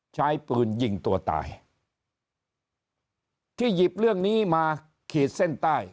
ใช้ปืนยิงตัวตายที่หยิบเรื่องนี้มาขีดเส้นใต้